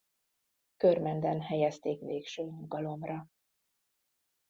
Körmenden helyezték végső nyugalomra.